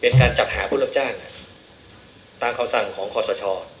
การจัดหาผู้รับจ้างตามคำสั่งของคอสช